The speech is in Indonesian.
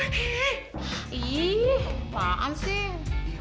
sekarang ini pertanyaan narik aja